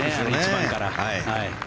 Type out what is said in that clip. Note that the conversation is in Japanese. １番から。